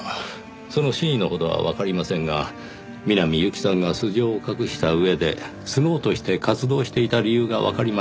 その真意のほどはわかりませんが南侑希さんが素性を隠した上でスノウとして活動していた理由がわかりました。